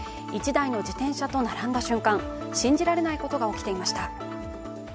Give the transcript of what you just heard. １台の自転車と並んだ瞬間、信じられないことが起きていました。